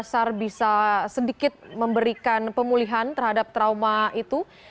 pasar bisa sedikit memberikan pemulihan terhadap trauma itu